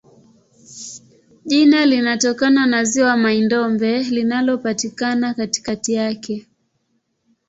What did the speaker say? Jina linatokana na ziwa Mai-Ndombe linalopatikana katikati yake.